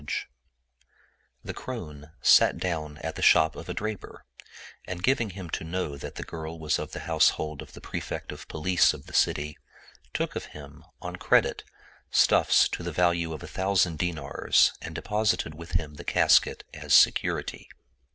lOI Oriental Mystery Stories The crone sat down at the shop of a draper and giving him to know that the girl was of the household of the Prefect of Police of the city, took of him, on credit, stuflFs to the value of a thousand dinars and deposited with him the casket as security.